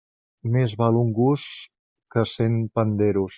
Més val un gust que cent panderos.